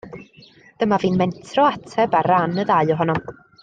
Dyma fi'n mentro ateb ar ran y ddau ohonom.